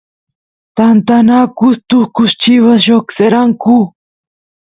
tantanakus tukus chivas lloqseranku